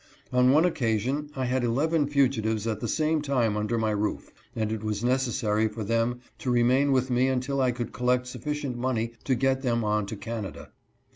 On one occasion I had eleven fugitives at the same time under my roof, and it was necessary for them to remain with me until I could collect sufficient money to get them on to Canada.